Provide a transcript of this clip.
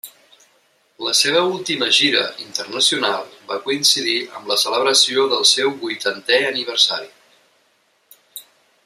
La seva última gira internacional va coincidir amb la celebració del seu vuitantè aniversari.